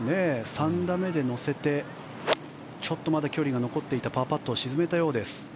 ３打目で乗せて、ちょっとまだ距離が残っていたパーパットを沈めたようです。